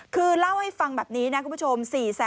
คือเล่าให้ฟังแบบนี้นะคุณผู้ชม